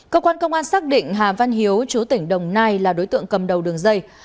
cơ quan công an xác định hà văn hiếu chú tỉnh đồng nai là đối tượng cầm đầu đường dây